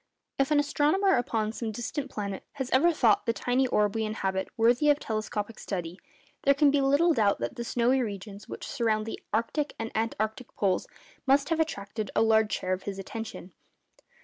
_ If an astronomer upon some distant planet has ever thought the tiny orb we inhabit worthy of telescopic study, there can be little doubt that the snowy regions which surround the arctic and antarctic poles must have attracted a large share of his attention.